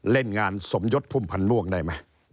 เล่นงานสมยศพุ่มพันธ์ม่วงได้ไหม